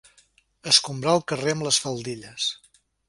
Escombrar el carrer amb les faldilles.